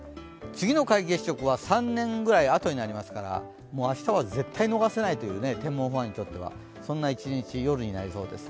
次の皆既月食は３年ぐらいあとになりますから明日は絶対逃せないという、天文ファンにとっては、そんな一日、夜になりそうです。